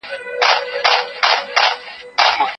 کمپيوټر تلويزيون کنټرولوي.